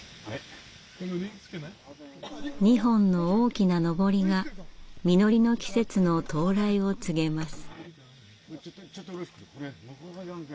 ２本の大きなのぼりが実りの季節の到来を告げます。